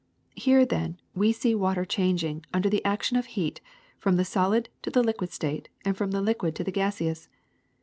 Here, then, we see water changing, under the action of heat, from the solid to the liquid state, and from the liquid to the gaseous.